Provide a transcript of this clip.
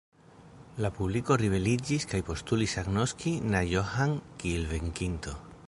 La publiko ribeliĝis kaj postulis agnoski na Johann kiel venkinto.